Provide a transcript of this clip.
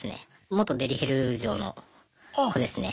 元デリヘル嬢の子ですね。